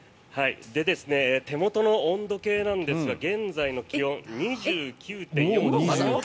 手元の温度計なんですが現在の気温２９．４度。